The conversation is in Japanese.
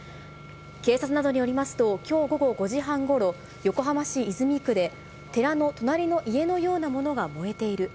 警察などによりますと、きょう午後５時半ごろ、横浜市泉区で寺の隣の家のようなものが燃えている。